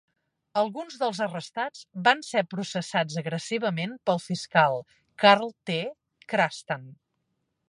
Alguns dels arrestats van ser processats agressivament pel fiscal Karl T. Chrastan.